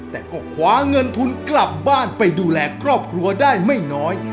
แต่ก็คว้าเงินทุนกลับบ้านไปดูแลครอบครัวได้ไม่น้อย